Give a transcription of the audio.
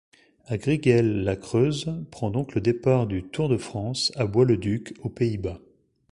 Agrigel-La Creuse prend donc le départ du Tour de France à Bois-le-Duc aux Pays-Bas.